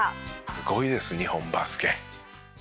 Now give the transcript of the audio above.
すごいです日本バスケ。